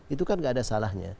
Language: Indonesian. itu kan gak ada salahnya